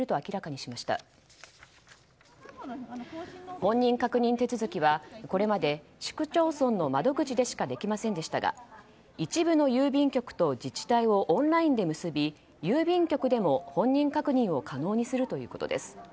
本人確認手続きはこれまで市区町村の窓口でしかできませんでしたが一部の郵便局と自治体をオンラインで結び郵便局でも本人確認を可能にするということです。